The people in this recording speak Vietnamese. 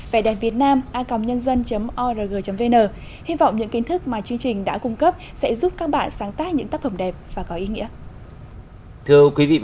về đàn việt nam anh đông hà nội hà nội hà nội hà nội hà nội hà nội hà nội hà nội hà nội hà nội